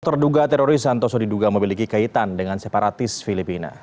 terduga teroris santoso diduga memiliki kaitan dengan separatis filipina